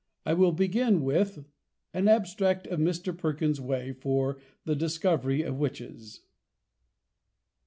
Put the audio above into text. I will begin with, AN ABSTRACT OF MR. PERKINS'S WAY FOR THE DISCOVERY OF WITCHES.